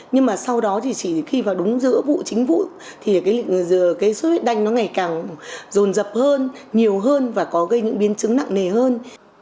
nhưng mà sau đó thì chỉ khi vào đúng giữa vụ chính vụ thì cái sốt huyết đanh nó ngày càng rồn rập hơn nhiều hơn và có gây những biến chứng nặng nề hơn